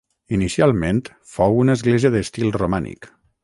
Inicialment fou una església d'estil romànic.